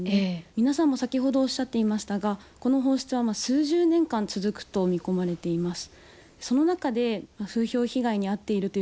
皆さんも先ほどおっしゃっていましたがこの放出は数十年間続くと見込まれています。